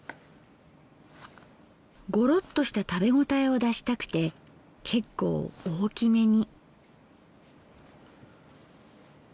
ゴロッとした食べ応えを出したくて結構大きめに。